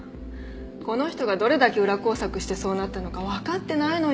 この人がどれだけ裏工作してそうなったのか分かってないのよ。